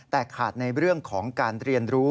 แต่ขาดในเรื่องของการเรียนรู้